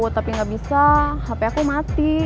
tapi gak bisa hp aku mati